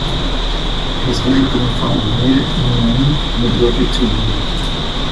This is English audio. His great grandfather Mir Imami migrated to India.